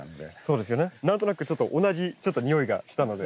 何となくちょっと同じにおいがしたので。